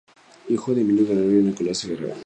Hijo de Emilio Guerrero y de Nicolasa Guerrero.